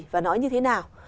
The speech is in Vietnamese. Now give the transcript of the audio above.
và nói như thế nào